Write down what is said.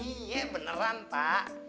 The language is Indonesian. iya beneran pak